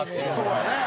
そうやね